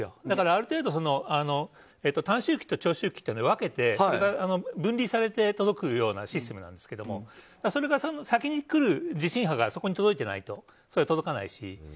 だからある程度短周期と長周期と分けて、それが分離されて届くようなシステムなんですがそれが先に来る地震波がそこに届いていないと届かないし。